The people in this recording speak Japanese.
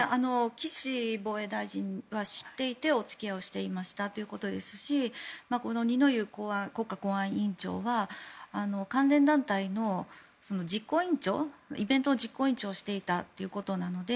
岸防衛大臣は知っていてお付き合いをしていましたということですしこの二之湯国家公安委員長は関連団体の実行委員長イベントの実行委員長をしていたということなので